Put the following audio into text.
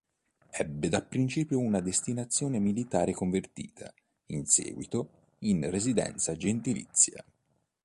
Ebbe dapprincipio una destinazione militare convertita, in seguito, in residenza gentilizia.